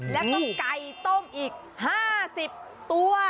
แล้วก็ไก่ต้มอีก๕๐ตัว